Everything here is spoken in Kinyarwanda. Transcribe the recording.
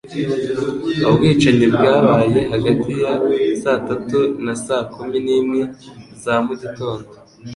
Ubwicanyi bwabaye hagati ya saa tatu na saa kumi n'imwe za mugitondo